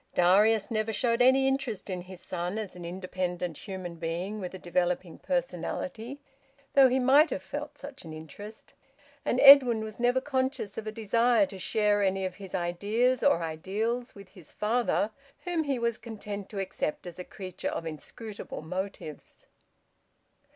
Darius never showed any interest in his son as an independent human being with a developing personality, though he might have felt such an interest; and Edwin was never conscious of a desire to share any of his ideas or ideals with his father, whom he was content to accept as a creature of inscrutable motives.